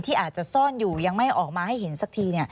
อาจจะซ่อนอยู่ยังไม่ออกมาให้เห็นสักที